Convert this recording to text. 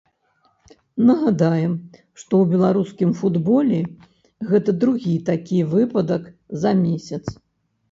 Нагадаем, што ў беларускім футболе гэта другі такі выпадак за месяц.